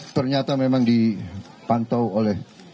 ternyata memang dipantau oleh